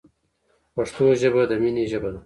پښتو ژبه د مینې ژبه ده.